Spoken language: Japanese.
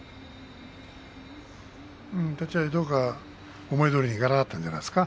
立ち合いどうか思いどおりにならなかったんじゃないですか？